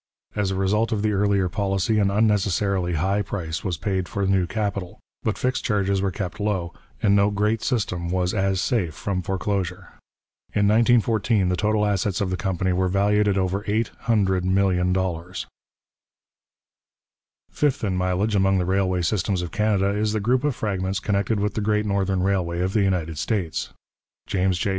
As a result of the earlier policy an unnecessarily high price was paid for new capital, but fixed charges were kept low, and no great system was as safe from foreclosure. In 1914 the total assets of the company were valued at over $800,000,000. Fifth in mileage among the railway systems of Canada is the group of fragments connected with the Great Northern Railway of the United States. James J.